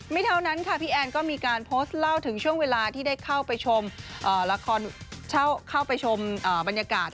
ไม่เท่านั้นค่ะพี่แอนก็มีการโพสต์เล่าถึงช่วงเวลาที่ได้เข้าไปชมบรรยากาศ